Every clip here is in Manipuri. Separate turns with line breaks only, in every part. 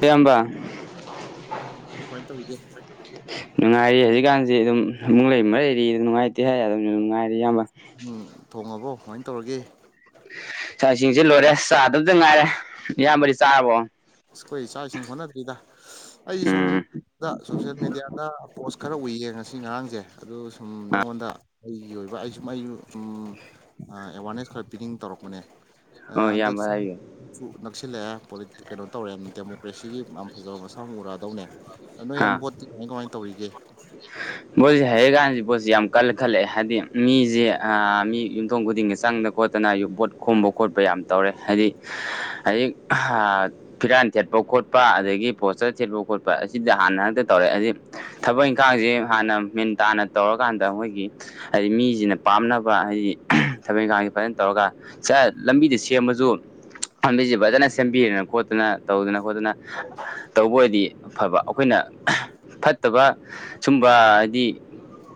ꯏꯌꯥꯝꯕ
ꯑꯗꯨ ꯀꯃꯥꯏ ꯇꯧꯔꯤꯒꯦ
[unintelligible] ꯅꯨꯡꯉꯥꯏꯔꯤ ꯍꯧꯖꯤꯛꯀꯥꯟꯁꯤ ꯑꯗꯨꯝ ꯗꯨꯝ ꯂꯩ ꯃꯔꯩꯔꯤ ꯑꯗꯨꯝ ꯅꯨꯡꯉꯥꯏꯇꯦ ꯍꯥꯏ ꯑꯗꯨꯝ ꯅꯨꯡꯉꯥꯏꯔꯤ ꯏꯌꯥꯝꯕ
ꯎꯝ ꯊꯣꯡꯉꯕꯣ ꯀꯃꯥꯏꯅ ꯇꯧꯔꯒꯦ
ꯆꯥꯛ ꯏꯁꯤꯡꯁꯨ ꯂꯣꯏꯔꯦ ꯆꯥꯗꯧꯗ ꯉꯥꯏꯔꯦ ꯏꯌꯥꯝꯕꯗꯤ ꯆꯥꯔꯕꯣ
ꯁ꯭ꯑꯩꯈꯣꯏ ꯆꯥꯛ ꯏꯁꯤꯡ ꯍꯣꯠꯅꯗ꯭ꯔꯤꯗ ꯑꯩ ꯁꯨꯝ
ꯎꯝ
ꯗ ꯁꯣꯁꯤꯌꯦꯜ ꯃꯦꯗꯤꯌꯥꯗ ꯄꯣꯁ ꯈꯔ ꯎꯏꯌꯦ ꯉꯁꯤ ꯉꯔꯥꯡꯁꯦ ꯑꯗꯨ ꯁꯨꯝ ꯅꯪꯉꯣꯟꯗ ꯑꯩꯒꯤ ꯑꯣꯏꯕ ꯑꯩꯁꯨꯝ ꯑꯩꯁꯨ ꯎꯝ ꯑ ꯑꯦꯋꯥꯔꯅꯦꯁ ꯈꯔ ꯄꯤꯅꯤꯡ ꯇꯧꯔꯛꯄꯅꯦ ꯑ
ꯍꯣꯏ
ꯍꯟꯗꯛ
ꯏꯌꯥꯝꯕ ꯍꯥꯏꯕꯤꯌꯨ
ꯁꯨ ꯅꯛꯁꯤꯜꯂꯛꯑꯦ ꯄꯣꯂꯤ ꯀꯩꯅꯣ ꯇꯧꯔꯦ ꯗꯦꯃꯣꯀ꯭ꯔꯦꯁꯤꯒꯤ ꯌꯥꯝ ꯐꯖꯕ ꯃꯁꯛ ꯑꯃ ꯎꯔꯛꯑꯗꯧꯅꯦ ꯑꯗꯣ
ꯍꯥ
ꯌꯥꯝ ꯕꯣꯠꯇꯤ ꯀꯃꯥꯏ ꯀꯃꯥꯏꯅ ꯇꯧꯔꯤꯒꯦ
ꯃꯣꯏꯁꯤ ꯍꯩꯔ ꯀꯥꯟꯁꯤ ꯄꯣꯠꯁꯤ ꯌꯥꯝ ꯀꯜ ꯈꯜꯂꯛꯑꯦ ꯍꯥꯏꯗꯤ ꯃꯤꯁꯦ ꯑ ꯃꯤ ꯌꯨꯝꯊꯣꯡ ꯈꯨꯗꯤꯡꯒꯤ ꯆꯪꯗ ꯈꯣꯠꯇꯅ ꯕꯣꯠ ꯈꯣꯝꯕ ꯈꯣꯠꯄ ꯌꯥꯝ ꯇꯧꯔꯦ ꯍꯥꯏꯗꯤ ꯍꯥꯏꯗꯤ ꯍꯥ ꯐꯤꯔꯥꯟ ꯊꯦꯠꯄ ꯈꯣꯠꯄ ꯑꯗꯒꯤ ꯄꯣꯁꯇꯔ ꯊꯦꯠꯄ ꯈꯣꯠꯄ ꯑꯁꯤꯗ ꯍꯥꯟꯅ ꯍꯦꯛꯇ ꯇꯧꯔꯛꯑꯦ ꯑꯗꯤ ꯊꯕꯛ ꯀꯥꯏꯗꯩ ꯍꯥꯟꯅ ꯃꯤꯟ ꯇꯥꯅ ꯇꯧꯔꯀꯥꯟꯗ ꯑꯈꯣꯏꯒꯤ ꯍꯥꯏꯗꯤ ꯃꯤꯁꯤꯅ ꯄꯥꯝꯅꯕ ꯍꯥꯏꯗꯤ ꯊꯕꯛ ꯏꯪꯈꯥꯡꯁꯤ ꯐꯖꯅ ꯇꯧꯔꯒ ꯆꯠ ꯂꯝꯕꯤꯗ ꯁꯦꯝꯃꯁꯨ ꯂꯥꯝꯕꯤꯁꯦ ꯐꯖꯅ ꯁꯦꯝꯕꯤꯔꯅ ꯈꯣꯠꯇꯅ ꯇꯧꯗꯅ ꯈꯣꯠꯇꯅ ꯇꯧꯕ ꯑꯣꯏꯗꯤ ꯐꯕ ꯑꯩꯈꯣꯏꯅ ꯐꯠꯇꯕ ꯁꯨꯝꯕ ꯍꯥꯏꯗꯤ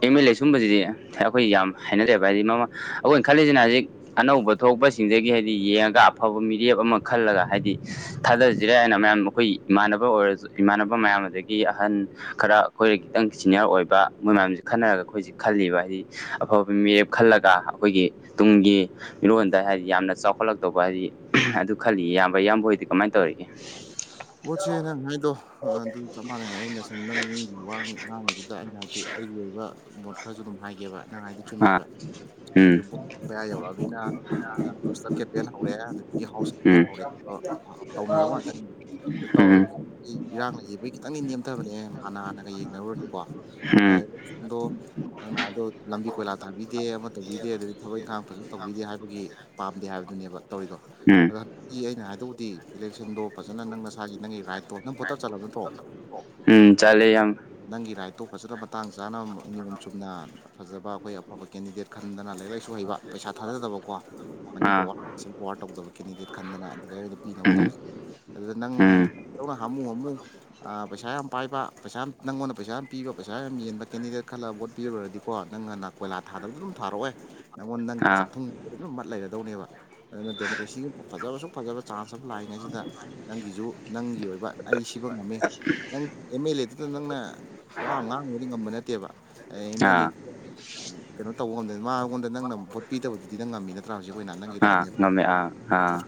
ꯑꯦꯝ ꯑꯦꯜ ꯑꯦ ꯁꯨꯝꯕꯁꯤꯗꯤ ꯑꯩꯈꯣꯏ ꯌꯥꯝ ꯍꯥꯏꯅꯗꯦꯕ ꯍꯥꯏꯗꯤ ꯃꯃ ꯑꯩꯈꯣꯏꯅ ꯈꯜꯂꯤꯁꯤꯅ ꯍꯧꯖꯤꯛ ꯑꯅꯧꯕ ꯊꯣꯛꯄꯁꯤꯡꯗꯒꯤ ꯍꯥꯏꯗꯤ ꯌꯦꯡꯉꯒ ꯑꯐꯕ ꯃꯤꯔꯦꯞ ꯑꯃ ꯈꯜꯂꯒ ꯍꯥꯏꯗꯤ ꯊꯥꯗꯁꯤꯔ ꯍꯥꯏꯅ ꯃꯌꯥꯝ ꯑꯩꯈꯣꯏ ꯏꯃꯥꯟꯅꯕ ꯑꯣꯏꯔꯁꯨ ꯏꯃꯥꯟꯅꯕ ꯃꯌꯥꯝ ꯑꯗꯒꯤ ꯑꯍꯟ ꯈꯔ ꯑꯩꯈꯣꯏꯗ ꯈꯤꯇꯪ ꯁꯤꯅꯤꯌꯔ ꯑꯣꯏꯕ ꯃꯣꯏ ꯃꯌꯥꯝꯁꯦ ꯈꯟꯅꯔꯒ ꯑꯩꯈꯣꯏꯁꯦ ꯈꯜꯂꯤꯕ ꯍꯥꯏꯗꯤ ꯑꯐꯕ ꯃꯤꯔꯦꯞ ꯈꯜꯂꯒ ꯑꯩꯈꯣꯏꯒꯤ ꯇꯨꯡꯒꯤ ꯃꯤꯔꯣꯟꯗ ꯍꯥꯏꯗꯤ ꯌꯥꯝꯅ ꯆꯥꯎꯈꯠꯂꯛꯇꯧꯕ ꯍꯥꯏꯗꯤ ꯑꯗꯨ ꯈꯜꯂꯤ ꯏꯌꯥꯝꯕ ꯏꯌꯥꯝꯕ ꯍꯣꯏꯗꯤ ꯀꯃꯥꯏꯅ ꯇꯧꯔꯤꯒꯦ
ꯕꯣꯠꯁꯦ ꯅꯪ ꯍꯥꯏꯗꯣ ꯑꯗꯨ ꯆꯞ ꯃꯥꯟꯅꯩ ꯑꯩꯅ ꯁꯨꯝ ꯅꯪ ꯋꯥ ꯉꯥꯡꯉꯤꯗꯨꯗ ꯑꯩꯅ ꯍꯥꯏꯗꯤ ꯑꯩꯒꯤ ꯑꯣꯏꯕ ꯃꯣꯠ ꯈꯔꯁꯨ ꯑꯗꯨꯝ ꯍꯥꯏꯒꯦꯕ ꯅꯪ ꯍꯥꯏꯗꯣ
ꯑꯥ
ꯆꯨꯝꯃꯦꯕ
ꯎꯝ
ꯍꯧꯖꯤꯛ ꯕꯣꯠ ꯃꯌꯥ ꯌꯧꯔꯛ ꯑꯝꯅꯤꯅ ꯄꯣꯁꯇꯔ ꯀꯦꯝꯄꯦꯟ ꯍꯧꯔꯦ ꯑꯗꯒꯤ ꯍꯥꯎꯁ ꯀꯦꯝꯄꯦꯟ
ꯎꯝ
ꯍꯧꯔꯦ ꯑꯗꯣ ꯇꯧꯅꯔꯕ ꯉꯥꯛꯇꯅꯤ ꯑꯗꯨ
ꯎꯝ
ꯇꯧꯔꯒ ꯑꯩ ꯏꯔꯥꯡ ꯂꯩꯕꯒꯤ ꯈꯤꯇꯪꯗꯤ ꯅꯦꯝꯊꯕꯅꯦ ꯍꯥꯟꯅ ꯍꯥꯟꯅꯒ ꯌꯦꯡꯅꯔꯨꯔꯗꯤꯀꯣ
ꯎꯝ
ꯑꯥꯏ ꯒꯣ ꯅꯪꯅ ꯍꯥꯏꯕꯗꯣ ꯂꯝꯕꯤ ꯀꯣꯏꯂꯥ ꯊꯥꯕꯤꯗꯦ ꯑꯃ ꯇꯧꯕꯤꯗꯦ ꯑꯗꯒꯤ ꯊꯕꯛ ꯏꯪꯈꯥꯡ ꯐꯖꯅ ꯇꯧꯕꯤꯗꯦ ꯍꯥꯏꯕꯒꯤ ꯄꯥꯝꯗꯦ ꯍꯥꯏꯕꯗꯨꯅꯦꯕ ꯇꯧꯔꯤꯗꯣ
ꯎꯝ
ꯑꯩꯅ ꯍꯥꯏꯗꯧꯗꯤ ꯏꯂꯦꯛꯁꯟꯗꯣ ꯐꯖꯅ ꯅꯪ ꯅꯁꯥꯒꯤ ꯅꯪꯒꯤ ꯔꯥꯏꯠꯇꯣ ꯅꯪ ꯚꯣꯇꯔ ꯆꯠꯂꯕ ꯅꯠꯇ꯭ꯔꯣ
ꯎꯝ ꯆꯠꯂꯦ ꯌꯥꯝꯕ
ꯅꯪꯒꯤ ꯔꯥꯏꯠ ꯇꯣ ꯐꯖꯅ ꯃꯇꯥꯡ ꯆꯥꯅ ꯅꯤꯌꯣꯝ ꯆꯨꯝꯅ ꯐꯖꯕ ꯑꯩꯈꯣꯏ ꯑꯐꯕ ꯀꯦꯟꯗꯤꯗꯦꯠ ꯈꯟꯗꯅ ꯂꯥꯏꯔꯤꯛ ꯂꯥꯏꯁꯨ ꯍꯩꯕ ꯄꯩꯁꯥ ꯊꯥꯗꯕꯀꯣ ꯃꯅꯤ
ꯑꯥ
ꯄꯥꯎꯋꯔ ꯃꯁꯜ ꯄꯥꯎꯋꯔ ꯇꯧꯗꯕ ꯀꯦꯟꯗꯤꯗꯦꯠ ꯈꯟꯗꯅ ꯑꯗꯨꯗ ꯑꯣꯏꯅ ꯄꯤꯅꯕ
ꯎꯝ
ꯇꯧꯁꯦ ꯑꯗꯨꯗ ꯅꯪꯅ
ꯎꯝ
ꯍꯥꯟꯅ ꯗꯧꯅ ꯑꯗꯨꯝ ꯍꯥꯝꯃꯨ ꯍꯥꯝꯃꯨ ꯑꯥ ꯄꯩꯁꯥ ꯌꯥꯝ ꯄꯥꯏꯕ ꯄꯩꯁꯥ ꯌꯥꯝ ꯅꯪꯉꯣꯟꯗ ꯄꯩꯁꯥ ꯌꯥꯝ ꯄꯤꯕ ꯄꯩꯁꯥ ꯌꯥꯝ ꯌꯦꯟꯕ ꯀꯦꯟꯗꯤꯗꯦꯠ ꯈꯜꯂꯒ ꯕꯣꯠ ꯄꯤꯔꯨꯔꯗꯤꯀꯣ ꯅꯪꯅ ꯀꯣꯏꯂꯥ ꯊꯗꯕꯗꯣ ꯑꯗꯨꯝ ꯊꯥꯔꯛꯑꯣꯢ ꯅꯪꯉꯣꯟꯗ ꯅꯪ
ꯑꯥ
ꯆꯥꯛꯊꯨꯡ ꯗꯨꯝ ꯃꯠ ꯂꯩꯔꯗꯧꯅꯦꯕ ꯑꯗꯨꯅ ꯗꯦꯃꯣꯀ꯭ꯔꯦꯁꯤꯒꯤ ꯐꯖꯕꯁꯨ ꯐꯖꯕ ꯆꯥꯟꯁ ꯑꯃ ꯂꯥꯛꯏꯉꯩꯁꯤꯗ ꯅꯪꯒꯤꯁꯨ ꯅꯪꯒꯤ ꯑꯣꯏꯕ ꯑꯩ ꯁꯤꯕꯧ ꯉꯝꯃꯤ ꯅꯪ ꯑꯦꯝ ꯑꯦꯜ ꯑꯦꯗꯨꯗ ꯅꯪꯅ ꯋꯥ ꯑꯃ ꯉꯥꯡꯉꯨꯕꯗꯤ ꯉꯝꯕ ꯅꯠꯇꯦꯕ ꯑꯦꯝ ꯑꯦꯜ ꯑꯦ
ꯑꯥ
ꯀꯩꯅꯣ ꯇꯧꯕ ꯉꯝꯗꯅ ꯃꯥꯉꯣꯟꯗ ꯅꯪꯅ ꯚꯣꯠ ꯄꯤꯗꯕꯗꯨꯗꯤ ꯅꯪ ꯉꯝꯃꯤ ꯅꯠꯇ꯭ꯔ ꯍꯧꯖꯤꯛ ꯑꯣꯏꯅ ꯅꯪꯒꯤ
ꯑꯥ
ꯔꯥꯏꯠꯅꯦꯕ
ꯉꯝꯃꯦ ꯑꯥ ꯑꯥ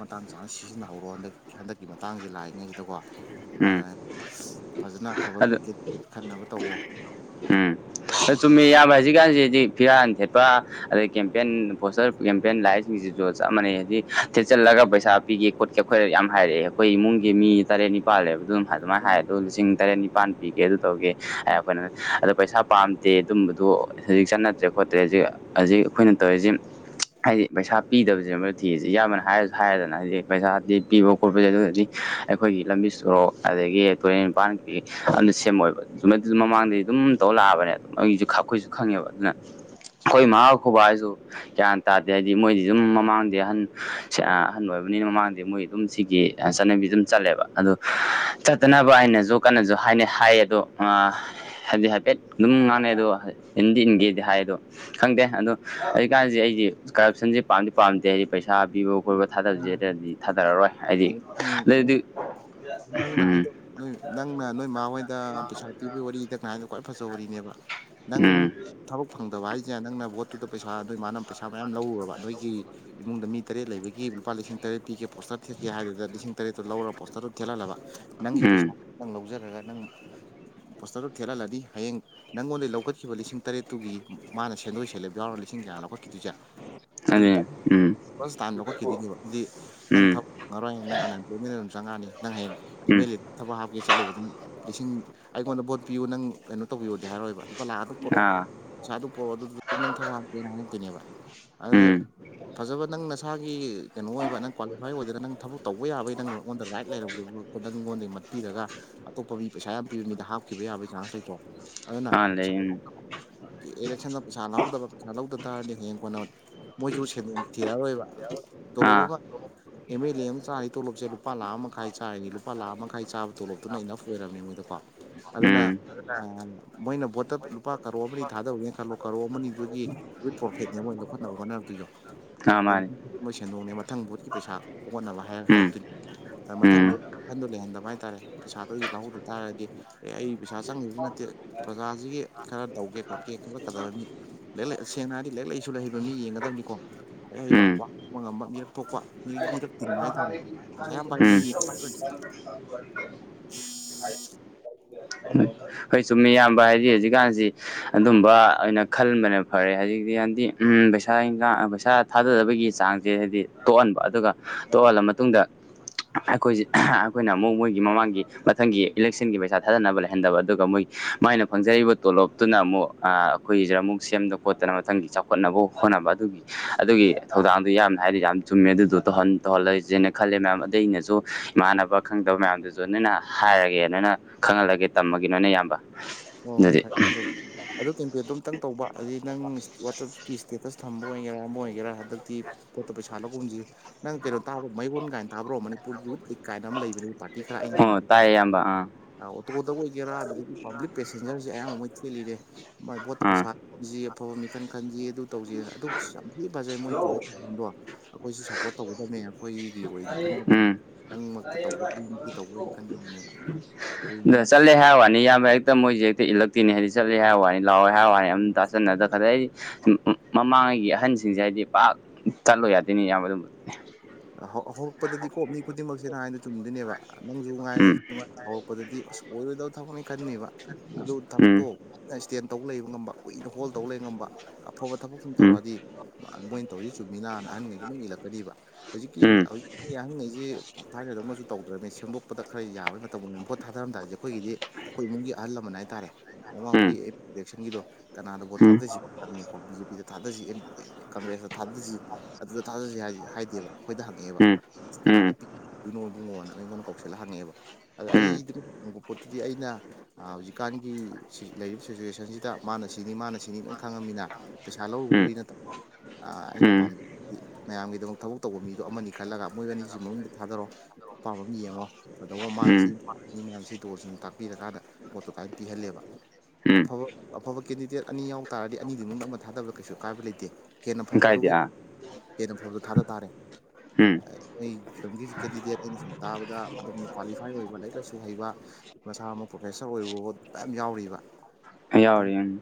ꯃꯇꯥꯡ ꯆꯥꯅ ꯁꯤꯖꯤꯟꯅꯍꯧꯔꯣ ꯍꯟꯗꯛ ꯍꯟꯗꯛꯀꯤ ꯃꯇꯥꯡꯁꯦ ꯂꯥꯛꯏꯉꯩꯁꯤꯗꯀꯣ ꯑꯥ
ꯎꯝ
ꯐꯖꯅ ꯑꯐꯥꯕ
ꯑꯗꯨ
ꯀꯦꯟꯗꯤꯗꯦꯠ ꯈꯟꯅꯕ ꯇꯧꯋꯣ ꯅꯪ
ꯆꯨꯝꯃꯦ ꯏꯌꯥꯝꯕ ꯍꯧꯖꯤꯛꯀꯥꯟꯁꯤꯗꯤ ꯐꯤꯔꯥꯟ ꯊꯦꯠꯄ ꯑꯗꯩ ꯀꯦꯝꯄꯦꯟ ꯄꯣꯁꯇꯔ ꯀꯦꯝꯄꯦꯟ ꯂꯥꯛꯏꯁꯤꯡꯁꯤꯁꯨ ꯆꯞ ꯃꯥꯟꯅꯩ ꯍꯥꯏꯗꯤ ꯊꯦꯠꯆꯜꯂꯒ ꯄꯩꯁꯥ ꯄꯤꯒꯦ ꯈꯣꯠꯀꯦ ꯑꯈꯣꯏꯗ ꯌꯥꯝ ꯍꯥꯏꯔꯛꯑꯦ ꯑꯈꯣꯏ ꯏꯃꯨꯡꯒꯤ ꯃꯤ ꯇꯔꯦꯠ ꯅꯤꯄꯥꯜ ꯅꯤꯄꯥꯜ ꯂꯩꯕꯗꯨꯝ ꯑꯗꯨꯃꯥꯏꯅ ꯍꯥꯏ ꯑꯗꯣ ꯂꯤꯁꯤꯡ ꯇꯔꯦꯠ ꯅꯤꯄꯥꯜ ꯄꯤꯒꯦ ꯑꯗꯨ ꯇꯧꯒꯦ ꯍꯥꯢ ꯈꯣꯏꯅ ꯑꯗꯣ ꯄꯩꯁꯥ ꯄꯥꯝꯗꯦ ꯑꯗꯨꯝꯕꯗꯨ ꯍꯧꯖꯤꯛ ꯆꯠꯅꯗ꯭ꯔꯦ ꯈꯣꯠꯇ꯭ꯔꯦ ꯍꯧꯖꯤꯛ ꯍꯧꯖꯤꯛ ꯑꯈꯣꯏꯅ ꯇꯧꯔꯤꯁꯤ ꯍꯥꯏꯗꯤ ꯄꯩꯁꯥ ꯄꯤꯗꯕꯁꯦ ꯅꯦꯕ ꯊꯤꯔꯤꯁꯤ ꯏꯌꯥꯝꯕꯅ ꯍꯥꯏꯔꯁꯨ ꯍꯥꯏꯔꯦꯗꯅ ꯍꯥꯏꯗꯤ ꯄꯩꯁꯥꯗꯤ ꯄꯤꯕ ꯈꯣꯠꯄꯁꯦ ꯑꯗꯨꯒꯗꯤ ꯑꯩꯈꯣꯏꯒꯤ ꯂꯝꯕꯤ ꯁꯣꯔꯣꯛ ꯑꯗꯒꯤ ꯇꯨꯔꯦꯟ ꯅꯤꯄꯥꯟꯒꯤ ꯑꯝꯇ ꯁꯦꯝꯃꯛꯑꯣꯢꯕ ꯁꯨꯃꯥꯏ ꯗꯨꯝ ꯃꯃꯥꯡꯗꯩ ꯑꯗꯨꯝ ꯇꯧ ꯂꯥꯛꯑꯕꯅꯦꯕ ꯑꯩꯁꯨ ꯑꯈꯣꯏꯁꯨ ꯈꯪꯉꯦꯕ ꯑꯗꯨꯅ ꯈꯣꯢ ꯃꯥ ꯈꯣꯢ ꯕꯥꯍꯣꯏꯁꯨ ꯒꯤꯌꯥꯟ ꯇꯥꯗꯦ ꯍꯥꯏꯗꯤ ꯃꯣꯏꯗꯤ ꯑꯗꯨꯝ ꯃꯃꯥꯡꯗꯩ ꯑꯍꯟ ꯑꯍꯟ ꯑꯣꯏꯕꯅꯤꯅ ꯃꯃꯥꯡꯗꯩ ꯃꯣꯏ ꯑꯗꯨꯝ ꯁꯤꯒꯤ ꯆꯠꯅꯕꯤꯖꯤꯗ ꯑꯗꯨꯝ ꯆꯠꯂꯦꯕ ꯑꯗꯨ ꯆꯠꯇꯅꯕ ꯑꯩꯅꯖꯨ ꯀꯟꯅꯖꯨ ꯍꯥꯏꯅ ꯍꯥꯏꯌꯦ ꯑꯗꯣ ꯑꯥ ꯍꯥꯏꯕꯗꯤ ꯍꯥꯏꯐꯦꯠ ꯑꯗꯨꯝ ꯉꯥꯡꯅꯩ ꯑꯗꯣ ꯏꯟꯗꯤ ꯏꯟꯒꯦꯗꯤ ꯍꯥꯏ ꯑꯗꯣ ꯈꯪꯗꯦ ꯑꯗꯣ ꯍꯧꯖꯤꯛꯀꯥꯟꯖꯦ ꯑꯩꯗꯤ ꯀꯔꯞꯁꯟꯁꯧ ꯄꯥꯝꯗꯤ ꯄꯥꯝꯗꯦ ꯍꯥꯏꯗꯤ ꯄꯩꯁꯥ ꯄꯤꯕ ꯍꯣꯏꯕ ꯊꯥꯗꯁꯦ ꯍꯥꯢꯇꯥꯔꯗꯤ ꯊꯥꯗꯔꯔꯣꯏ ꯍꯥꯢꯗꯤ
ꯅꯪ
ꯅꯣꯏꯗꯤ
ꯅꯪꯅ ꯍꯥꯏꯗꯣ ꯅꯣꯢ ꯅꯪꯅ ꯅꯣꯢ ꯃꯥꯥ ꯍꯣꯢꯗ ꯄꯩꯁꯥ ꯄꯤꯕꯩ ꯋꯥꯔꯤꯗ ꯍꯥꯏꯗꯣ ꯈ꯭ꯋꯥꯏ ꯐꯖꯕ ꯋꯥꯔꯤꯅꯦꯕ ꯅꯪ
ꯎꯝ
ꯊꯕꯛ ꯐꯪꯗꯕ ꯍꯥꯢꯖꯦ ꯅꯪꯅ ꯕꯣꯠꯇꯨꯗ ꯄꯩꯁꯥ ꯅꯣꯢ ꯃꯥꯅ ꯄꯩꯁꯥ ꯃꯌꯥꯝ ꯂꯧꯔꯨꯔꯕ ꯅꯣꯢꯒꯤ ꯏꯃꯨꯡꯗ ꯃꯤ ꯇꯔꯦꯠ ꯂꯩꯕꯒꯤ ꯂꯨꯄꯥ ꯂꯤꯁꯤꯡ ꯇꯔꯦꯠ ꯄꯤꯒꯦ ꯄꯣꯁꯇꯔ ꯊꯦꯠꯀꯦ ꯍꯥꯢꯗꯨꯗ ꯂꯤꯁꯤꯡ ꯇꯔꯦꯠꯇꯣ ꯂꯧꯔ ꯄꯣ ꯊꯦꯠꯍꯜꯂꯕ ꯅꯪꯒꯤ
ꯎꯝ
ꯄꯩꯁꯥ ꯅꯪ ꯂꯧꯖꯔꯒ ꯅꯪꯅ ꯄꯣꯁꯇꯔꯗꯣ ꯊꯦꯠꯍꯜꯂꯗꯤ ꯍꯌꯦꯡ ꯅꯪꯉꯣꯟꯗꯒꯤ ꯂꯧꯈꯠꯈꯤꯕ ꯂꯤꯁꯤꯡ ꯇꯔꯦꯠꯇꯨꯒꯤ ꯃꯥꯅ ꯁꯦꯟꯗꯣꯢ ꯁꯦꯂꯦꯞ ꯌꯥꯎꯔꯒ ꯂꯤꯁꯤꯡ ꯀꯌꯥꯅꯣ ꯂꯧꯈꯠꯈꯤꯗꯣꯢꯁꯦ ꯑꯗꯨꯒꯤ
ꯑꯗꯨꯅꯤ ꯎꯝ
ꯗꯕꯜ ꯇꯥꯏꯝ ꯂꯧꯈꯠꯈꯤꯗꯣꯢꯅꯦꯕ ꯗꯤ ꯅꯪ
ꯎꯝ
ꯊꯕꯛ ꯐꯪꯉꯔꯣꯏ ꯅꯪ ꯑꯟ ꯑꯦꯝꯄ꯭ꯂꯣꯢꯃꯦꯟꯗ ꯗꯨꯝ ꯆꯪꯉꯛꯑꯅꯤ ꯅꯪ ꯍꯌꯦꯡ ꯑꯦꯝ
ꯎꯝ
ꯑꯦꯜ ꯑꯦ ꯊꯕꯛ ꯍꯥꯞꯀꯦ ꯆꯠꯂꯨꯕꯗ ꯂꯤꯁꯤꯡ ꯑꯩꯉꯣꯟꯗ ꯚꯣꯠ ꯄꯤꯌꯨ ꯅꯪ ꯀꯩꯅꯣ ꯇꯧꯕꯤꯌꯣꯗꯤ ꯍꯥꯢꯔꯣꯢꯕ ꯂꯨꯄꯥ ꯂꯥꯛ ꯑꯗꯨꯛ ꯄꯨꯔꯛꯑꯣ
ꯑꯥ
ꯄꯩꯁꯥ ꯑꯗꯨ ꯄꯣꯔꯛꯑꯣ ꯑꯗꯨꯗꯨ ꯅꯪ ꯊꯕꯛ ꯍꯥꯄꯤꯗꯣꯏꯅꯦ ꯍꯥꯏꯔꯛꯇꯣꯏꯅꯦꯕ ꯑꯗꯨ
ꯎꯝ
ꯐꯖꯕ ꯅꯪ ꯅꯁꯥꯒꯤ ꯀꯩꯅꯣ ꯑꯣꯏꯕ ꯅꯪ ꯀ꯭ꯋꯥꯂꯤꯐꯥꯏ ꯑꯣꯏꯗꯅ ꯅꯪ ꯊꯕꯛ ꯇꯧꯕ ꯌꯥꯕꯒꯤ ꯅꯪꯉꯣꯟꯗ ꯔꯥꯏꯠ [unintelligible] ꯃꯤꯉꯣꯟꯗꯒꯤ ꯃꯠꯄꯤꯔꯒ ꯑꯇꯣꯞꯄ ꯃꯤ ꯄꯩꯁꯥ ꯌꯥꯝ ꯄꯤꯕ ꯃꯤꯗ ꯍꯥꯞꯈꯤꯕ ꯌꯥꯕꯒꯤ ꯆꯥꯟꯁ ꯂꯩꯇ꯭ꯔꯣ꯫ ꯑꯗꯨꯅ
ꯑꯥ ꯂꯩ ꯎꯝ
[inaudible] ꯏꯂꯦꯛꯁꯟꯗ ꯄꯩꯁꯥ ꯂꯧꯍꯧꯗꯕ ꯄꯩꯁꯥ ꯂꯧꯗ ꯇꯥꯔꯗꯤ ꯍꯌꯦꯡ ꯀꯣꯟꯅ ꯃꯣꯏꯖꯨ ꯁꯦꯟꯗꯣꯡ ꯊꯤꯔꯛꯔꯣꯏꯕ ꯇꯣꯂꯣꯞ
ꯑꯥ
ꯑꯃ ꯑꯦꯝ ꯑꯦꯜ ꯑꯦ ꯑꯃ ꯆꯥꯔꯤ ꯇꯣꯂꯣꯞꯁꯦ ꯂꯨꯄꯥ ꯂꯥꯈ ꯑꯃꯛ ꯈꯥꯏ ꯆꯥꯔꯤꯅꯤ ꯂꯨꯄꯥ ꯂꯥꯛꯑꯝ ꯃꯈꯥꯏ ꯆꯥꯕ ꯇꯣꯂꯣꯞꯇꯨꯅ ꯏꯅꯐ ꯑꯣꯏꯔꯝꯅꯤ ꯃꯣꯏꯗꯀꯣ
ꯎꯝ
ꯑꯗꯨꯅ ꯈ ꯔ ꯉꯟ ꯃꯣꯏꯅ ꯚꯣꯠꯇ ꯂꯨꯄꯥ ꯀꯔꯣ ꯑꯃꯅꯤ ꯊꯥꯗꯧꯔꯦꯟ ꯈꯜꯂꯣ ꯀꯔꯣ ꯑꯃꯅꯤꯗꯨꯒꯤ ꯋꯤꯠ ꯄꯣꯐꯤꯠꯅꯦ ꯃꯣꯏꯅ ꯂꯧꯈꯠꯅꯕ ꯍꯣꯠꯅꯔꯝꯇꯣꯏꯗꯣ꯫
ꯑ ꯃꯥꯅꯤ
ꯃꯣꯏ ꯁꯦꯟꯗꯣꯡꯅꯦ ꯃꯊꯪ ꯚꫭꯠꯀꯤ ꯄꯩꯁꯥ ꯑꯣꯟꯅꯕ ꯍꯥꯏꯔꯛ
ꯎꯝ
ꯍꯥꯏꯔꯛꯇꯨꯏꯅꯤ ꯃꯊꯪ
ꯎꯝ
ꯕꯨꯠ ꯋꯥꯈꯟꯗꫭ ꯂꯩꯍꯟꯗꯕ ꯍꯥꯏꯇꯥꯔꯦ ꯄꯩꯁꯥꯗꯣ ꯑꯩ ꯂꯧꯍꯧꯗ ꯇꯥꯔꯗꯤ ꯑꯦ ꯑꯩ ꯄꯩꯁꯥ ꯆꯪꯒꯤꯝꯁꯨ ꯅꯠꯇꯦ꯫ ꯄ꯭ꯔꯖꯥꯁꯤꯒꯤ ꯈꯔ ꯇꯧꯒꯦ ꯈꯣꯠꯀꯦ [unintelligible] ꯂꯩꯔꯦꯛ ꯂꯦ ꯁꯦꯡꯅ ꯍꯥꯏꯔꯗꯤ ꯂꯦꯔꯦꯛ ꯂꯩꯁꯨ ꯂꯩ ꯍꯩꯕ ꯃꯤ ꯌꯦꯡꯒꯗꯕꯅꯤꯀꯣ꯫ ꯂꯩꯔꯤꯛ ꯍꯩꯕ
ꯎꯝ
ꯋꯥꯀꯠꯄ ꯉꯝꯕ ꯃꯤꯔꯛ ꯊꯣꯛꯄ ꯃꯤ ꯃꯤꯔꯛ ꯇꯤꯟꯕ ꯍꯥꯏꯇꯥꯔꯦ꯫
[inaudible]
ꯄꯩꯁꯥ ꯌꯥꯝ ꯄꯥꯏꯕ ꯃꯤ
ꯎꯝ
ꯌꯦꯡ
[inaudible] ꯍꯣꯢ ꯆꯨꯝꯃꯤ ꯏꯌꯥꯝꯕ ꯍꯥꯢꯗꯤ ꯍꯧꯖꯤꯛꯀꯥꯟꯖꯤ ꯑꯗꯨꯝꯕ ꯑꯣꯏꯅ ꯈꯜꯕꯅ ꯐꯔꯦ ꯍꯧꯖꯤꯛꯇꯤꯌꯥꯟꯗꯤ ꯎꯝ ꯄꯩꯁꯥ ꯏꯟꯒꯥꯡ ꯑ ꯄꯩꯁꯥ ꯊꯥꯗꯗꯕꯒꯤ ꯆꯥꯡꯁꯦ ꯍꯥꯏꯗꯤ ꯇꯣꯛꯍꯟꯕ ꯑꯗꯨꯒ ꯇꯣꯛꯍꯜꯂ ꯃꯇꯨꯡꯗ ꯑꯩꯈꯣꯏꯖꯤ ꯑꯩꯈꯣꯏꯅ ꯑꯃꯨꯛ ꯃꯣꯏꯒꯤ ꯃꯃꯥꯡꯒꯤ ꯃꯊꯪꯒꯤ ꯏꯂꯦꯛꯁꯟꯒꯤ ꯄꯩꯁꯥ ꯊꯥꯗꯅꯕ ꯂꯩꯍꯟꯗꯕ ꯑꯗꯨꯒ ꯃꯣꯏ ꯃꯥꯏꯅ ꯐꯪꯖꯔꯤꯕ ꯇꯣꯂꯣꯞꯇꯨꯅ ꯑꯃꯨꯛ ꯑꯥ ꯑꯩꯈꯣꯏꯖꯤꯅ ꯑꯃꯨꯛ ꯁꯦꯝꯗꯅ ꯈꯣꯠꯇꯅ ꯃꯊꯪꯒꯤ ꯆꯥꯎ ꯍꯣꯠꯅꯕꯧ ꯍꯣꯠꯅꯕ ꯑꯗꯨꯒꯤ ꯑꯗꯨꯒꯤ ꯊꯧꯗꯥꯡꯗꯨ ꯌꯥꯝꯅ ꯍꯥꯏꯗꯤ ꯌꯥꯝ ꯆꯨꯝꯃꯦ ꯑꯗꯨꯗꯣ ꯇꯧꯍꯟ ꯇꯧꯍꯜꯂꯣꯏꯖꯦꯅ ꯈꯜꯂꯦ ꯅꯥꯕ ꯑꯩꯅꯁꯨ ꯏꯃꯥꯟꯅꯕ ꯈꯪꯗꯕ ꯃꯌꯥꯝꯗꯨꯖꯨ ꯅꯨꯅ ꯍꯥꯏꯔꯒꯦꯅ ꯅꯅ ꯈꯪꯍꯜꯂꯒꯦ ꯇꯝꯑꯒꯤꯅꫭꯅꯦ ꯌꯥꯝꯕ꯫
ꯍꫭꯏ ꯍꫭꯏ ꯐꯩ [inaudible] ꯑꯗꯨ ꯀꯦꯝꯄꯦꯟꯗꯣ ꯑꯝꯇꯪ ꯇꯧꯕ ꯑꯗꯩ ꯅꯪ ꯋꯥꯆꯞꯀꯤ ꯏꯁ꯭ꯇꯦꯇꯁ ꯊꯝꯕ ꯑꯣꯏꯒꯦꯔꯥ ꯑꯃꯥ ꯑꯣꯏꯒꯦꯔꯥ ꯍꯟꯗꯛꯇꯤ ꯕꯣꯠꯇ ꯄꯩꯁꯥ ꯂꯧꯒꯨꯝꯖꯤ꯫ ꯅꯪ ꯀꯩꯅꯣ ꯇꯥꯕ ꯃꯩꯔꯣꯟ ꯀꯥꯏꯟ ꯇꯥꯕ꯭ꯔꯣ ꯃꯅꯤꯄꯨꯔ ꯌꯨꯠ ꯂꯤꯛ ꯀꯥꯏꯅ ꯑꯝ ꯂꯩꯕꯅꯤ ꯄꯥꯔꯇꯤ ꯈꯔ ꯑꯩꯟ ꯁꯨꯝ
ꯑꯣ ꯇꯥꯏꯌꯦ ꯏꯌꯥꯝꯕ ꯑꯥ꯫
ꯑ ꯑꯣꯇꯣꯗꯕꯨ ꯑꯣꯏꯒꯦꯔ ꯑꯗꯨꯝ ꯄꯥꯕ꯭ꯂꯤꯛ ꯄꯦꯁꯦꯟꯖꯔꯁꯦ ꯑꯌꯥꯝ ꯃꯣꯏ ꯊꯦꯂꯤꯔꯦ꯫ ꯃꯥꯏ ꯚꯣꯠꯇ
ꯑꯥ
ꯄꯩꯁꯥ ꯖꯤ ꯑꯐꯕ ꯃꯤꯈꯟ ꯈꯟꯁꯤ ꯑꯗꯨ ꯇꯧꯖꯦꯅ ꯑꯗꯨꯁ ꯌꯥꯝ ꯊꯤ ꯐꯖꯩ ꯃꯣꯏ ꯇꯧꯔꯤ ꯕ꯭ꯋꯥ꯫ ꯑꯈꫭꯏꯁꯨ ꯁꯞ ꯕꯣꯠ ꯇꯧꯒꯗꯝꯅꯦ ꯑꯩꯈꯣꯏꯒꯤ ꯑꯣꯏꯅ ꯈꯟ
ꯎꯝ
[inaudible] ꯅꯪꯃꯛꯇ ꯇꯧꯕ ꯑꯩꯒꯤ ꯇꯧꯕ ꯑꯣꯏꯅ [inaudible]
ꯗꯣ
ꯑꯗꯨꯗꯨꯅ
ꯆꯠꯂꯦ ꯍꯥꯏꯋꯥꯅꯤ ꯏꯌꯥꯝꯕ ꯍꯦꯛ ꯇꯥ ꯃꯣꯏꯖꯦ ꯍꯦꯛꯇ ꯏꯜꯂꯛꯇꯦꯅꯦ ꯍꯥꯏꯗꯤ ꯆꯠꯂꯦ ꯍꯥꯏꯋꯥꯅꯤ ꯂꯥꯎꯑꯦ ꯍꯥꯏꯋꯥꯅꯤ ꯎꯝ
ꯈꯤꯇꯪ
ꯇꯥꯁꯤꯟꯅꯗ ꯈꯗꯩ ꯑꯩ [unintelligible] ꯃꯃꯥꯡꯉꯩꯒꯤ ꯑꯍꯟꯁꯤꯡꯖꯦ ꯍꯥꯏꯗꯤ ꯄꯥꯛ ꯆꯠꯂꯨ ꯌꯥꯗꯦꯅꯦ ꯏꯌꯥꯝꯕ ꯑꯗꯨꯝꯕꯗꯨ꯫
ꯍꯧ ꯍꯧꯔꯛꯄꯗꯗꯤ ꯀꯣ ꯃꯤ ꯈꯨꯗꯤꯡꯃꯛꯁꯦꯅ ꯍꯥꯏꯗꯤ ꯆꯨꯝꯗꯨꯏꯅꯦꯕ ꯅꯪꯖꯨ ꯉꯥꯏꯔꯦ
ꯎꯝ
ꯑꯩꯁꯨ ꯉꯥꯏ ꯍꯧꯔꯛꯄꯗꯗꯤ ꯑꯁ ꯑꯣꯏꯔꯣꯏꯗꯧ ꯊꯕꯛꯅꯤ ꯈꯟꯅꯤꯕ꯫ ꯑꯗꯨ
ꯎꯝ
ꯊꯕꯛꯇꯣ ꯏꯁ꯭ꯇꯦꯟ ꯇꯧ ꯂꯩꯕ ꯉꯝꯕ ꯀꯨꯏꯅ ꯍꯣꯜ ꯇꯧ ꯂꯩ ꯉꯝꯕ꯫ ꯑꯐꯕ ꯊꯕꯛ ꯁꯨꯝ ꯇꯧꯔꯛꯑꯗꯤ ꯃꯣꯏꯅ ꯇꯧꯔꯤ ꯆꯨꯝꯃꯤꯅꯥꯅ ꯑꯍꯟꯒꯩꯖꯤ ꯎꯝ ꯏꯜꯂꯛꯀꯅꯤꯕ꯫ ꯍꯧꯖꯤꯛꯀꯤ
ꯎꯝ
ꯍꯧ ꯀꯤ ꯑꯍꯪꯉꯩꯖꯤ ꯊꯥꯏꯅꯗꯧꯅꯁꯨ ꯇꯧꯗ꯭ꯔꯅꯦ ꯁꯦꯝꯗꯣꯛꯄꯗ ꯈꯔ ꯌꯥꯕꯩ ꯃꯇꯝꯒꯨꯝꯅꯤ ꯚꯣꯠ ꯊꯥꯗꯔꯝꯗꯥꯏꯖꯦ ꯑꯩꯈꯣꯏꯒꯤꯗꯤ ꯈꯣꯏ ꯏꯃꯨꯡꯒꯤ ꯑꯍꯜ ꯂꯃꯟ ꯍꯥꯏꯇꯥꯔꯦ ꯃꯃꯥꯡꯀꯤ
ꯎꯝ
ꯑꯦꯞꯂꯦꯛꯁꯟꯒꯤꯗꫭ꯫ ꯀꯅꯥꯗ ꯕꯣꯠ
ꯎꯝ
ꯊꯥꯗꯁꯤ [inaudible] ꯕꯤ ꯖꯦ ꯄꯤ ꯗ ꯊꯥꯗꯖꯤ ꯑꯦꯝ ꯀꯪꯒ꯭ꯔꯦꯁꯇ ꯊꯥꯗꯖꯤ ꯑꯗꯨꯗ ꯊꯥꯗꯖꯦ ꯍꯥꯏ ꯍꯥꯏꯗꯦꯕ꯫ ꯇꯥ ꯍꯪꯉꯛꯑꯦꯕ
ꯎꯝ ꯎꯝ ꯎꯝ ꯎꯝ
ꯀꯅꯥꯗ ꯎꯅꯣ ꯏꯕꯨꯡꯉꯣꯅ ꯑꯩꯉꯣꯟꯗ ꯀꯧꯁꯤꯜꯂ ꯍꯪꯉꯛꯑꯦꯕ꯫ ꯑꯥꯗ ꯑꯩꯗꯤ ꯄꯣꯠꯇꯨꯗꯤ ꯑꯩꯅ ꯑꯥ ꯍꯧꯖꯤꯛꯀꯥꯟꯒꯤ ꯁꯤ ꯂꯩꯔꯤꯕ ꯁꯤꯆꯨꯋꯦꯁꯟꯁꯤꯗ ꯃꯥꯅ ꯁꯤꯅꯤ ꯃꯥꯅ ꯁꯤꯅꯤ ꯂꯣꯏ ꯈꯪꯉꯝꯃꯤꯅ ꯄꯩꯁꯥ ꯂꯧꯔꯨꯕꯩ ꯅꯠꯇꯕ ꯑꯥ
ꯎꯝ
ꯑꯩꯅ ꯄꯥꯝ
ꯎꯝ
ꯃꯌꯥꯝꯒꯤꯗꯃꯛ ꯊꯕꯛ ꯇꯧꯕ ꯃꯤꯗꯣ ꯑꯃꯥꯅꯤ ꯈꯜꯂꯒ ꯃꯣꯏ ꯑꯅꯤꯖꯤ ꯃꯅꯨꯡꯗ ꯊꯥꯗꯔꯣ ꯑꯄꯥꯝ ꯑꯃ ꯌꯦꯡꯉꯣ ꯀꯗꯧꯕ ꯃꯥꯅ ꯁꯤ [unintelligible] ꯁꯤ ꯇꯧꯔꯁꯤꯅ ꯇꯥꯝꯄꯤꯔꯒꯥꯟꯗ ꯕꯣꯠꯇꯨ ꯀꯥꯏ ꯄꯤꯍꯜꯂꯦꯕ
ꯎꯝ
ꯑꯐꯕ ꯑꯐꯕ ꯀꯦꯟꯗꯤꯗꯦꯠ ꯑꯅꯤ ꯌꯥꯎ ꯇꯥꯔꯗꯤ ꯑꯅꯤꯗꯨꯏ ꯃꯅꯨꯡꯗ ꯑꯃ ꯊꯥꯗꯕꯗ ꯀꯩꯁꯨ ꯀꯥꯏꯕ ꯂꯩꯇꯦ ꯍꯦꯟꯅ
ꯎꯝ ꯀꯥꯏꯗꯦ
ꯐꯕꯗꯣꯈꯩ
ꯑꯥ
ꯍꯦꯟꯅ ꯐꯕꯗꯣ ꯊꯥꯗ ꯇꯥꯔꯦ
ꯎꯝ
ꯑꯩ ꯁꯨꯝꯒꯤ ꯀꯦꯟꯗꯤꯗꯦꯠ ꯑꯩꯅ ꯁꯨꯝ ꯇꯥꯕꯗ ꯑꯗꯨꯝ ꯀ꯭ꯋꯥꯂꯤꯐꯥꯏ ꯑꯣꯏꯕ ꯂꯥꯏꯔꯤꯛ ꯂꯥꯏꯁꯨ ꯍꯩꯕ ꯃꯁꯥꯃꯛ ꯄ꯭ꯔꯣꯐꯦꯁꯔ ꯑꯣꯏꯕ ꯕꯣꯛ ꯃꯌꯥꯝ ꯌꯥꯎꯔꯤꯕ
ꯌꯥꯎꯔꯤ ꯎꯪ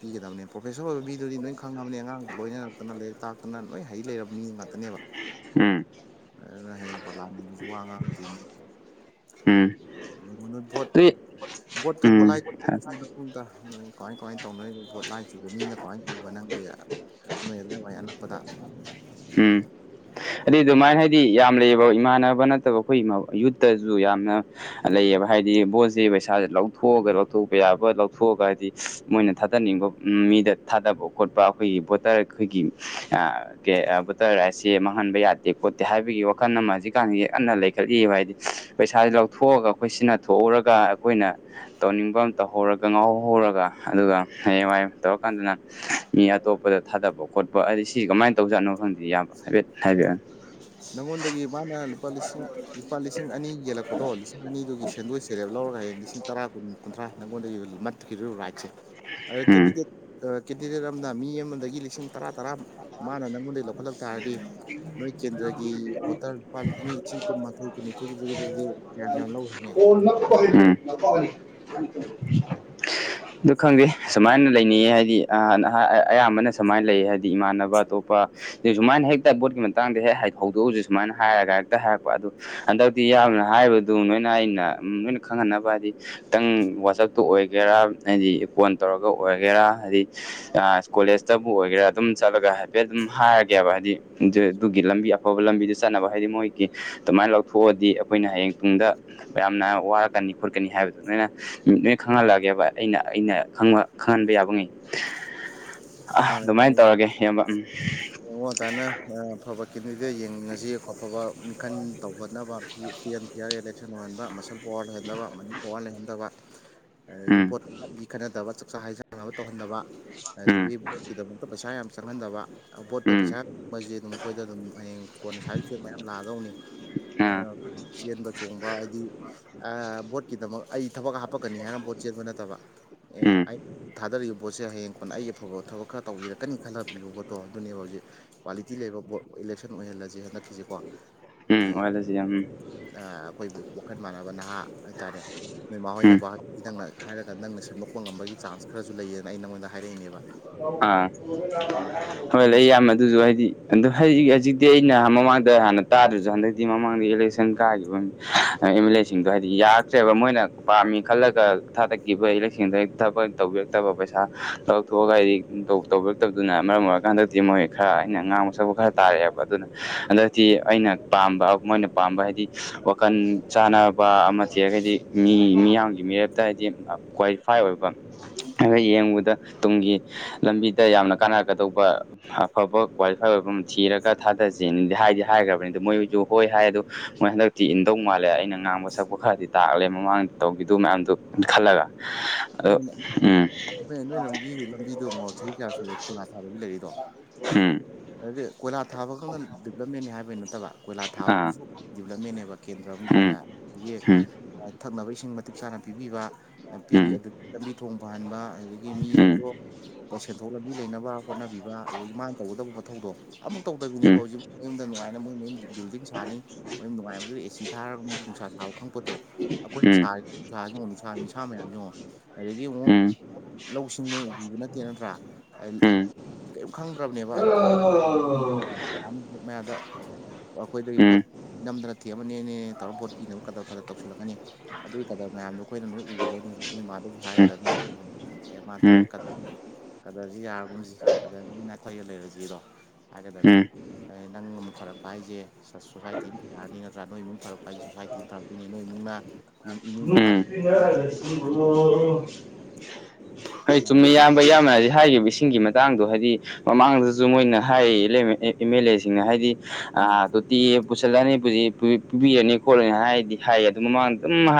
ꯄꯤꯒꯗꯕꯅꯤ ꯄ꯭ꯔꯣꯐꯦꯁꯔ ꯑꯣꯏꯕ ꯃꯤꯗꯨꯗꯤ ꯂꯣꯏ ꯈꯪꯉꯕꯅꯤ ꯑꯉꯥꯡ ꯂꯣꯏꯅꯔꯛꯇꯅ ꯂꯥꯏꯔꯤꯛ ꯇꯥꯛꯇꯅ ꯂꯣꯏ ꯍꯩ ꯂꯩꯔꯕꯅꯤ ꯃꯤ ꯉꯥꯛꯇꯅꯦꯕ
ꯎꯝ
ꯑꯗꯨꯅ ꯍꯌꯦꯡ ꯄꯔꯂꯥꯌꯥꯃꯦꯟꯇ ꯋꯥ ꯉꯥꯡꯉꯛꯇꯣꯏꯅꯤ
ꯎꯝ
[unintelligible] ꯕꯣꯠ
ꯎꯝ
ꯕꯣꯠꯂꯥꯢ ꯎꯝꯇ ꯀꯃꯥꯏ ꯀꯃꯥꯏ ꯇꯧꯅꯔꯤꯕ ꯕꯣꯠꯂꯥꯢ ꯆꯨꯕ ꯃꯤꯅ ꯀꯃꯥꯏ ꯎꯕ ꯅꯪꯗꯤ ꯅꯣꯏ ꯑꯗꯨꯋꯥꯏ ꯑꯅꯛꯄꯗ
ꯎꯝ ꯍꯥꯢꯗꯤ ꯑꯗꯨꯃꯥꯏ ꯍꯥꯏꯗꯤ ꯌꯥꯝ ꯂꯩꯌꯦꯕ ꯏꯃꯥꯟꯅꯕ ꯅꯠꯇꯕ ꯑꯩꯈꯣꯏ ꯏꯃꯥꯎ ꯌꯨꯠꯇꯖꯨ ꯌꯥꯝꯅ ꯂꯩꯌꯦꯕ ꯍꯥꯏꯗꯤ ꯕꯣꯠꯁꯤ ꯄꯩꯁꯥꯖꯦ ꯂꯧꯊꯣꯛꯑꯒ ꯂꯧꯊꯣꯛꯄ ꯌꯥꯕ ꯂꯧꯊꯣꯛꯑꯒ ꯍꯥꯏꯗꯤ ꯃꯣꯏꯅ ꯊꯥꯗꯅꯤꯡꯕ ꯃꯤꯗ ꯊꯥꯗꯕ ꯈꯣꯠꯄ ꯑꯩꯈꯣꯏꯒꯤ ꯕꯣꯇꯔ ꯑꯩꯈꯣꯏꯒꯤ ꯕꯇꯔ ꯔꯥꯏꯁꯁꯦ ꯃꯥꯡꯍꯟꯕ ꯌꯥꯗꯦ ꯈꯣꯠꯇꯦ ꯍꯥꯏꯕꯒꯤ ꯋꯥꯈꯜ ꯑꯃ ꯍꯧꯖꯤꯛꯀꯥꯟꯁꯤꯖꯤ ꯀꯟꯅ ꯂꯩꯈꯠꯂꯤꯢꯕ ꯍꯥꯏꯗꯤ ꯄꯩꯁꯥꯥꯁꯦ ꯂꯧꯊꯣꯛꯑꯒ ꯑꯩꯈꯣꯏ ꯁꯤꯅꯊꯣꯛꯎꯔꯒ ꯑꯩꯈꯣꯏꯅ ꯇꯧꯅꯤꯡꯕ ꯑꯃ ꯇꯧꯍꯧꯔꯒ ꯉꯥꯎꯍꯧꯔꯒ ꯑꯗꯨꯒ ꯍꯌꯦꯡꯋꯥꯏ ꯇꯧꯔꯀꯥꯟꯗꯅ ꯃꯤ ꯑꯇꯣꯞꯄꯗ ꯊꯥꯗꯕ ꯈꯣꯠꯄ ꯍꯥꯏꯗꯤ ꯁꯤ ꯀꯃꯥꯏꯅ ꯇꯧꯖꯥꯠꯅꯣ ꯈꯪꯗꯦ ꯌꯥꯝꯕ ꯍꯥꯏꯐꯦꯠ ꯍꯥꯏꯕꯤꯔꯛꯑꯣꯅꯦ
ꯅꯪꯉꯣꯟꯗꯒꯤ ꯃꯥꯅ ꯂꯨꯄꯥ ꯂꯤꯁꯤꯡ ꯂꯤꯁꯤꯡ ꯑꯅꯤ ꯌꯦꯂꯛꯄꯗꯣ ꯂꯤꯁꯤꯡ ꯑꯅꯤꯗꯨꯒꯤ ꯁꯦꯟꯗꯣꯏ ꯆꯦꯔꯦꯞ ꯂꯧꯔꯒ ꯍꯌꯦꯡ ꯂꯤꯁꯤꯡ ꯇꯔꯥ ꯀꯨꯟ ꯀꯨꯟꯊ꯭ꯔꯥ ꯅꯪꯉꯣꯟꯗꯒꯤ ꯃꯠ ꯔꯥꯏꯠꯁꯦ ꯑꯥ
ꯎꯝ
ꯀꯦꯟꯗꯤꯗꯦꯠ ꯀꯦꯟꯗꯤꯗꯦꯠ ꯑꯃꯅ ꯃꯤ ꯑꯃꯗꯒꯤ ꯂꯤꯁꯤꯡ ꯇꯔꯥ ꯇꯔꯥ ꯃꯥꯅ ꯅꯪꯉꯣꯟꯗꯒꯤ ꯂꯧꯈꯠꯂꯛ ꯇꯥꯔꯗꯤ
[unintelligible]
ꯅꯣꯏ ꯀꯦꯟꯗ꯭ꯔꯒꯤ ꯚꯣꯇꯔ ꯂꯨꯄꯥ ꯃꯤ ꯂꯤꯁꯤꯡ ꯀꯨꯟꯃꯥꯊꯣꯏ ꯀꯨꯟꯅꯤꯊꯣꯏꯗꯨꯗꯒꯤꯗꯨꯗꯤ ꯀꯌꯥꯝ ꯌꯥꯝ ꯂꯧꯈꯤꯅꯤ
ꯎꯝ [unintelligible] ꯑꯗꯨ ꯈꯪꯗꯦ ꯁꯨꯃꯥꯏꯅ ꯂꯩꯅꯩꯌꯦ ꯍꯥꯏꯗꯤꯑꯥ ꯅꯍꯥ ꯑꯌꯥꯝꯕꯅ ꯁꯨꯃꯥꯏꯅ ꯂꯩ ꯍꯥꯏꯗꯤ ꯏꯃꯥꯟꯅꯕ ꯑꯇꯣꯞꯄ ꯑꯗꯨ ꯁꯨꯃꯥꯏꯅ ꯍꯦꯛꯇ ꯕꯣꯠꯀꯤ ꯃꯇꯥꯡꯗ ꯍꯦꯛ ꯍꯥꯏꯊꯧꯗꯣꯛꯎꯁꯤ ꯁꯨꯃꯥꯏꯅ ꯍꯥꯏꯔꯒ ꯍꯦꯛꯇ ꯍꯥꯏꯔꯛꯄ ꯑꯗꯨ ꯍꯟꯗꯛꯇꯤ ꯢꯌꯥꯝꯕꯅ ꯍꯥꯏꯕꯗꯨ ꯅꯣꯏꯅ ꯑꯩꯅ ꯅꯣꯏꯅ ꯈꯪꯍꯟꯅꯕ ꯗꯤ ꯈꯤꯇꯪ ꯋꯥꯆꯞꯇ ꯑꯣꯏꯒꯦꯔꯥ ꯍꯥꯏꯗꯤ ꯐꯣꯟ ꯇꯧꯔꯒ ꯑꯣꯏꯒꯦꯔꯥ ꯍꯥꯏꯗꯤ ꯑ ꯀꯣꯂꯦꯁ ꯆꯕꯨ ꯑꯣꯏꯒꯦꯔꯥ ꯑꯗꯨꯝ ꯆꯠꯂꯒ ꯍꯥꯏꯐꯦꯠ ꯑꯗꯨꯝ ꯍꯥꯏꯔꯒꯦꯕ ꯍꯥꯏꯗꯤ ꯑꯗꯨ ꯑꯗꯨꯒꯤ ꯂꯝꯕꯤ ꯑꯐꯕ ꯂꯝꯕꯤꯗꯨ ꯆꯠꯅꯕ ꯍꯥꯏꯗꯤ ꯃꯣꯏ ꯑꯗꯨꯃꯥꯏꯅ ꯂꯧꯊꯣꯛꯑꯗꯤ ꯑꯈꯣꯏꯅ ꯍꯌꯦꯡ ꯇꯨꯡꯗ ꯌꯥꯝꯅ ꯋꯥꯔꯛꯀꯅꯤ ꯈꯣꯠꯀꯅꯤ ꯍꯥꯏꯕꯗꯨꯃꯥꯢꯅ ꯃꯤ ꯂꯣꯏ ꯈꯪꯍꯜꯂꯛꯒꯦꯕ ꯑꯩꯅ ꯑꯩꯅ ꯈꯪꯍꯟꯕ ꯌꯥꯕ ꯉꯩ ꯑ ꯑꯗꯨꯃꯥꯏꯅ ꯇꯧꯔꯒꯦ ꯢꯌꯥꯝꯕ ꯎꯝ
ꯌꯦꯡꯉꯣ ꯑꯗꯨꯃꯥꯏꯅ ꯑꯐꯕ ꯀꯦꯟꯗꯤꯗꯦꯠ ꯌꯦꯡꯉꯁꯤ ꯑꯐꯕ ꯃꯤꯈꯜ ꯇꯧꯔꯅꯕ ꯐ꯭ꯔꯤ ꯑꯦꯟ ꯐꯤꯑꯥꯔ ꯑꯦꯂꯦꯛꯁꯟ ꯑꯣꯏꯍꯟꯕ ꯃꯁꯜ ꯄꯋꯥꯔ ꯂꯩꯍꯟꯗꯕ ꯃꯅꯤ ꯄꯋꯥꯔ ꯂꯩꯍꯟꯗꯕ ꯑꯗꯒꯤ
ꯎꯝ
ꯚꯣꯠꯀꯤ ꯃꯤ ꯈꯠꯅꯗꯕ ꯆꯥꯛꯆꯥ ꯍꯩꯖꯥꯅꯕ ꯇꯧꯍꯟꯗꯕ
ꯎꯝ
ꯑꯗꯒꯤ ꯀꯤꯗꯃꯛꯇ ꯄꯩꯁꯥ ꯌꯥꯝ ꯆꯪꯍꯟꯗꯕ ꯕꯣꯠꯇ
ꯎꯝ
ꯄꯩꯁꯥ ꯃꯖꯦ ꯑꯗꯨꯝ ꯑꯩꯈꯣꯏꯗ ꯑꯗꯨꯝ ꯍꯌꯦꯡ ꯀꯣꯟꯅ ꯁꯥꯏꯠ ꯏꯐꯦꯛ ꯃꯌꯥꯝ ꯂꯥꯛꯗꯧꯅꯤ
ꯎꯝ ꯑꯥ
[unintelligible] ꯆꯦꯟꯕ ꯆꯣꯡꯕ ꯍꯥꯏꯗꯤ ꯑꯥ ꯕꯣꯠꯀꯤꯗꯃꯛ ꯑꯩ ꯊꯕꯛ ꯍꯥꯞꯄꯛꯀꯅꯤ ꯍꯥꯏꯅ ꯕꯣꯠ ꯆꯦꯟꯕ ꯅꯠꯇꯕ ꯑꯦ
ꯎꯝ
ꯑꯩ ꯊꯥꯗꯔꯤꯕ ꯕꯣꯠꯁꯦ ꯍꯌꯦꯡ ꯐꯅ ꯑꯩꯒꯤ ꯑꯐꯕ ꯊꯕꯛ ꯈꯔ ꯇꯧꯕꯤꯔꯛꯀꯅꯤ ꯈꯜꯂ ꯄꯤꯕ ꯕꯣꯠꯇꯣ ꯑꯗꯨꯅꯦꯕ ꯍꯨꯖꯤꯛ ꯀ꯭ꯋꯥꯂꯤꯇꯤ ꯂꯩꯕ ꯕꯣ ꯏꯂꯦꯛꯁꯟ ꯑꯣꯏꯍꯜꯂꯁꯦ ꯍꯟꯗꯛꯀꯤꯁꯦꯀꯣ
ꯎꯝ ꯑꯣꯏꯍꯜꯂꯖꯦ ꯌꯥꯝ
ꯑꯥ ꯑꯈꯣꯏꯕꯨ ꯋꯥꯈꯟ ꯃꯥꯟꯅꯕ ꯅꯍꯥ ꯇꯥꯔꯦ ꯅꯣꯏꯃꯥꯍꯣꯏ
ꯎꯝ
ꯅꯣꯏꯕꯥ [unintelligible] ꯅꯪꯅ ꯍꯥꯏꯔꯒ ꯅꯪꯅ ꯁꯦꯝ ꯄ ꯉꯝꯕꯒꯤ ꯆꯥꯟꯁ ꯈꯔꯁꯨ ꯂꯩꯌꯦꯅ ꯑꯩ ꯅꯉꯣꯟꯗ ꯍꯥꯏꯔꯛꯏꯅꯦꯕ
ꯑꯥ ꯍꯣꯏ ꯂꯩ ꯌꯥꯝ ꯑꯗꯨꯁꯨ ꯍꯥꯏꯗꯤ ꯑꯗꯨꯝ ꯍꯥꯋꯦꯡ ꯍꯖꯤꯛꯇꯤ ꯑꯩꯅ ꯃꯃꯥꯡꯗ ꯍꯥꯟꯅ ꯇꯥꯗ꯭ꯔꯁꯨ ꯍꯟꯗꯛꯇꯤ ꯃꯃꯥꯡꯗ ꯏꯂꯦꯛꯁꯟ ꯀꯥꯒꯤꯕ ꯑꯦꯝ ꯑꯦꯜ ꯑꯦ ꯁꯤꯡꯗꯣ ꯍꯥꯏꯗꯤ ꯌꯥꯔꯛꯇ꯭ꯔꯦꯕ ꯃꯣꯏꯅ ꯄꯥꯝꯃꯤ ꯈꯜꯂꯒ ꯊꯥꯗꯒꯤꯕ [unintelligible] ꯊꯕꯛ ꯇꯧꯕꯤꯔꯛꯇꯕ ꯄꯩꯁꯥ [unintelligible] ꯊꯣꯛꯑꯒ ꯑꯩ ꯗꯣꯛ ꯇꯧꯕꯤꯔꯛꯇꯕꯗꯨꯅ ꯃꯔꯝ ꯑꯣꯏꯔꯀꯥꯟꯗꯗꯤ ꯃꯣꯏ ꯈꯔ ꯑꯩꯅ ꯉꯥꯡꯕ ꯁꯛꯄ ꯈꯔ ꯇꯥꯔꯛꯑꯦꯕ ꯑꯗꯨꯅ ꯍꯟꯗꯛꯇꯤ ꯑꯩꯅ ꯄꯥꯝꯕ ꯃꯣꯏꯅ ꯄꯥꯝꯕ ꯍꯥꯏꯗꯤ ꯋꯥꯈꯜ ꯆꯥꯟꯅꯕ ꯑꯃ ꯊꯤꯔꯒꯗꯤ ꯃꯤ ꯃꯤꯌꯥꯝꯒꯤ ꯃꯤꯔꯦꯞꯇ ꯍꯥꯏꯗꯤ ꯀ꯭ꯋꯥꯂꯤꯐꯥꯏ ꯑꯣꯏꯕ [unintelligible] ꯅ ꯌꯦꯡꯕꯗ ꯇꯨꯡꯒꯤ ꯂꯝꯕꯤꯗ ꯌꯥꯝꯅ ꯀꯥꯟꯅꯔꯛꯀꯗꯧꯕ ꯑꯐꯕ ꯀ꯭ꯋꯥꯂꯤꯐꯥꯏ ꯑꯣꯏꯕ ꯑꯃ ꯊꯤꯔꯒ ꯊꯥꯗꯖꯤꯅꯗꯤ ꯍꯥꯏꯗꯤ ꯍꯥꯏꯈ꯭ꯔꯕꯅꯤ ꯑꯗꯨ ꯃꯣꯏꯁꯨ ꯍꯣꯏ ꯍꯥꯏ ꯑꯗꯨ ꯃꯣꯏ ꯍꯟꯗꯛ ꯇꯤ ꯏꯟꯗꯧ ꯃꯥꯜꯂꯦ ꯑꯩꯅ ꯉꯥꯡꯕ ꯁꯛꯄ ꯈꯔꯗꯤ ꯇꯥꯛꯂꯦ ꯃꯃꯥꯡꯗ ꯇꯧꯈꯤꯗꯨ ꯃꯌꯥꯝꯗꯨ ꯈꯜꯂꯒ ꯑꯗꯨ ꯎꯝ
ꯍꯣꯏ ꯅꯣꯏꯔꯣꯝꯒꯤ ꯂꯝꯕꯤꯗꯣ ꯌꯦꯡꯎ ꯆꯍꯤ ꯀꯌꯥ ꯁꯨꯔꯦ ꯀꯣꯏꯂꯥ ꯊꯥꯗꯕꯤ ꯂꯩꯔꯤꯗꯣ
ꯎꯝ
[unintelligible] ꯀꯣꯏꯂꯥ ꯊꯥꯕꯈꯛꯅ ꯗꯤꯕ꯭ꯂꯞꯃꯦꯟꯅꯤ ꯍꯥꯏꯕꯩ ꯅꯠꯇꯕ ꯀꯣꯏꯂꯥ
ꯑꯥ
ꯊꯥꯕꯗꯨꯁꯨ ꯗꯤꯕ꯭ꯂꯞꯃꯦꯟꯅꯦꯕ ꯀꯦꯟꯗ꯭ꯔ ꯑꯝꯒꯤ
ꯎꯝ
ꯑꯣꯏꯅ ꯌꯦ
ꯎꯝ
ꯊꯛꯅꯕ ꯏꯁꯤꯡ ꯃꯇꯤꯛ ꯆꯥꯅ ꯄꯤꯕꯤꯕ
ꯎꯝ
ꯄꯤꯔꯤ ꯑꯗꯨ ꯂꯝꯕꯤ ꯊꯣꯡ ꯐꯍꯟꯕ ꯑꯗꯨꯗꯒꯤ
ꯎꯝ
ꯃꯤꯉꯩꯗꯣ ꯁꯦꯟꯊꯣꯛ ꯂꯝꯕꯤ ꯂꯩꯅꯕ ꯍꯣꯠꯅꯕꯤꯕ ꯑꯗꯒꯤ ꯃꯥꯅ ꯇꯧꯒꯗꯕ ꯃꯊꯧꯗꯣ ꯑꯝꯕꯧ ꯇꯧꯗꯕꯤꯅꯦꯕ
ꯎꯝ
ꯍꯧꯖꯤꯛ ꯃꯌꯨꯝꯗ ꯅꯨꯡꯉꯥꯏꯅ ꯃꯣꯏ ꯃꯣꯏ ꯃꯌꯨꯝꯌ ꯃꯤꯕꯤꯜꯗꯤꯡ ꯁꯥꯅꯤ ꯃꯣꯏ ꯅꯨꯡꯉꯥꯏꯕꯗ ꯑꯦꯁꯤ ꯊꯥꯔꯒ ꯃꯣꯏꯗꯤ ꯅꯨꯡꯁꯥ ꯁꯥꯕ ꯈꯪꯄꯣꯠꯇꯦ
ꯎꯝ ꯎꯝ ꯎꯝ
ꯑꯩꯈꯣꯏꯗꯤ ꯁꯥꯔꯤ ꯁꯥꯔꯤꯕ ꯅꯨꯡꯁꯥ ꯅꯤꯁꯥ ꯃꯌꯥꯝꯁꯤ ꯌꯦꯡꯉꯨ ꯑꯗꯒꯤ ꯑꯃꯨꯛ
ꯎꯝ
ꯂꯧꯁꯤꯡ ꯃꯣꯏ ꯎꯕꯤꯕ ꯅꯠꯇꯦ ꯅꯠꯇ꯭ꯔꯥ [unintelligible]
ꯎꯝ
ꯀꯏꯝ ꯈꯪꯗ꯭ꯔꯕꯅꯦꯕ [unintelligible] ꯃꯌꯥꯗ ꯑꯩꯈꯣꯏꯗꯒꯤ ꯚꯣꯠ ꯅꯝꯗꯅ ꯊꯦꯝꯃꯅꯦꯅꯦ ꯇꯧꯔꯒ ꯚꯣꯠ ꯄꯤꯅꯕ ꯀꯗꯔ ꯐꯥꯗꯔ ꯇꯧꯁꯤꯜꯂꯛꯀꯅꯤ ꯑꯗꯨꯏ ꯀꯗꯔ ꯃꯌꯥꯝꯗꯣ ꯑꯩꯈꯣꯏꯅ ꯂꯣꯏ ꯎꯒꯗꯧꯗꯨ ꯅꯣꯏ ꯃꯥꯗꯨ ꯍꯥꯏꯒꯗꯧꯅꯤ ꯑꯦ ꯃꯥ ꯇꯧꯔꯤꯖꯦ ꯀꯗꯔ ꯀꯗꯔꯖꯤ ꯌꯥꯔꯒꯨꯝꯖꯤ ꯀꯗꯔꯗꯩꯩ ꯅꯥꯊꯩꯔ ꯂꯩꯔꯖꯤꯗꯣ ꯍꯥꯏꯒꯗꯕꯅꯦ ꯅꯪ ꯑꯃ ꯐꯥꯔꯛꯄ ꯍꯥꯏꯖꯦ [unintelligible] ꯅꯠꯇ꯭ꯔꯥ ꯅꯣꯏ ꯏꯃꯨꯡ ꯐꯔꯛꯄ ꯍꯥꯏꯖꯦ ꯁꯣꯁꯥꯏꯇꯤ [unintelligible] ꯅꯣꯏ ꯏꯃꯨꯡꯅ ꯌꯨꯝ ꯏꯃꯨꯡ ꯃꯉꯥ
[inaudible] ꯍꯩ ꯆꯨꯝꯅ [unintelligible] ꯏꯌꯥꯝꯕꯅ ꯍꯥꯏꯈꯤꯕ ꯏꯁꯤꯡꯒꯤ ꯃꯇꯥꯡꯗꯣ ꯍꯥꯏꯗꯤ ꯃꯃꯥꯡꯗꯖꯨ ꯃꯣꯏꯅ ꯍꯥꯏꯌꯦ ꯑꯦꯝ ꯑꯦꯜ ꯑꯦꯝ ꯃꯦꯜꯂꯦꯁꯤꯡꯅ ꯍꯥꯏꯗꯤ ꯑ ꯇꯣ ꯇꯤ ꯄꯨꯁꯜꯂꯅꯤ ꯄꯨꯖꯤ ꯄꯨ ꯄꯨꯕꯤꯒꯅꯤ ꯈꯣꯠꯂꯅꯤ ꯍꯥꯏꯔꯗꯤ ꯍꯥꯏꯌꯦ ꯑꯗꯨ ꯃꯃꯥꯡꯗ ꯑꯗꯨꯝ ꯍꯥ